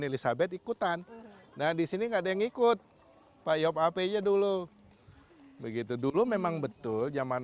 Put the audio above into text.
elizabeth ikutan nah disini enggak ada yang ikut pak yop ap nya dulu begitu dulu memang betul zaman